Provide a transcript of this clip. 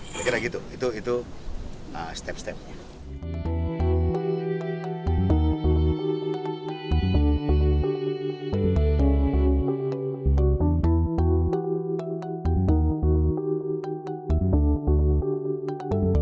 kira kira gitu itu step stepnya